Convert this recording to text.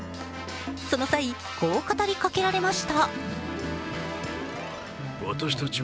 その際、こう語りかけられました。